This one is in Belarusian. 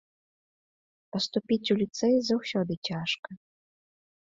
Паступіць у ліцэй заўсёды цяжка.